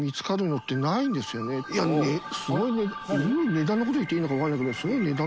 値段のこと言っていいのか分からないけど。